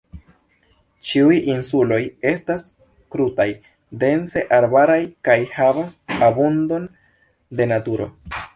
Ĉiuj insuloj estas krutaj, dense arbaraj kaj havas abundon de naturo.